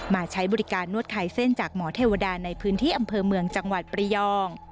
ใช้บริการนวดไข่เส้นจากหมอเทวดาในพื้นที่อำเภอเมืองจังหวัดประยอง